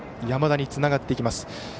山田につながっていきます。